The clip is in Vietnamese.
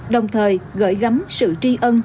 đồng thời gửi gắm sự tri ân